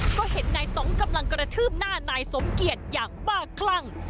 เพราะเห็นนายต้องกำลังกระทืบหน้านายสมเกียจอย่างบ้าคลั่ง